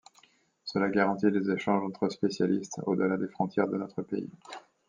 Cela garantit les échanges entre spécialistes au-delà des frontières de notre pays.